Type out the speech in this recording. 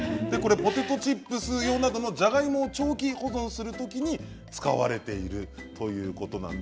ポテトチップス用などのじゃがいもを長期保存するときに使われているそうです。